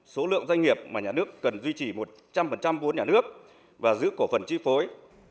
số lượng doanh nghiệp mà nhà nước cần duy trì một trăm linh vốn nhà nước và giữ cổ phần chi phối